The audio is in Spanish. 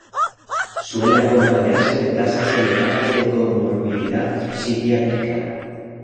Suele acompañarse de tasas elevadas de comorbilidad psiquiátrica.